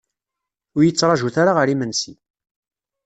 Ur yi-ttrajut ara ɣer imensi.